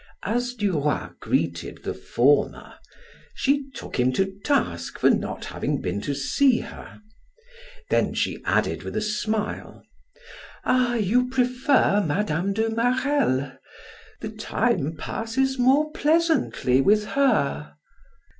As Duroy greeted the former, she took him to task for not having been to see her; then she added with a smile: "Ah, you prefer Mme. de Marelle; the time passes more pleasantly with her."